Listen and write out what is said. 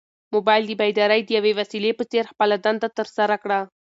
موبایل د بیدارۍ د یوې وسیلې په څېر خپله دنده ترسره کړه.